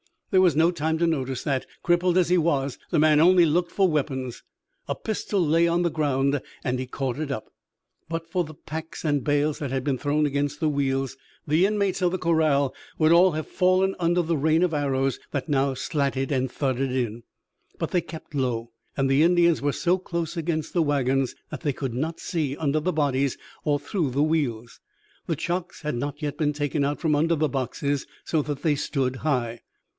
There was no time to notice that. Crippled as he was, the man only looked for weapons. A pistol lay on the ground and he caught it up. But for the packs and bales that had been thrown against the wheels, the inmates of the corral would all have fallen under the rain of arrows that now slatted and thudded in. But they kept low, and the Indians were so close against the wagons that they could not see under the bodies or through the wheels. The chocks had not yet been taken out from under the boxes, so that they stood high.